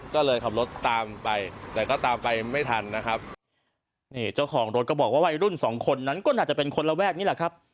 ก็เลยขับรถตามไปแต่ก็ตามไปไม่ทันนะครับนี่เจ้าของรถก็บอกว่าวัยรุ่นสองคนนั้นก็น่าจะเป็นคนระแวกนี้แหละครับ